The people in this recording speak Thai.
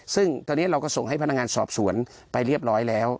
ซึ่งตอนนี้เราก็ส่งให้พนักงานสอบสวนไปเรียบร้อยแล้ว